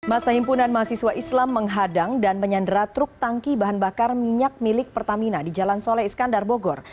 masa himpunan mahasiswa islam menghadang dan menyandera truk tangki bahan bakar minyak milik pertamina di jalan soleh iskandar bogor